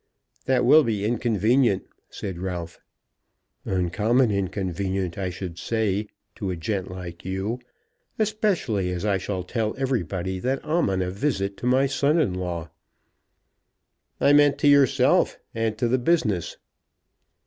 "That will be inconvenient," said Ralph, "Uncommon inconvenient I should say, to a gent like you, especially as I shall tell everybody that I'm on a visit to my son in law." "I meant to yourself, and to the business."